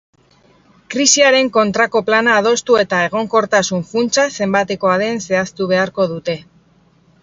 Krisiaren kontrako plana adostu eta egonkortasun funtsa zenbatekoa den zehaztu beharko dute.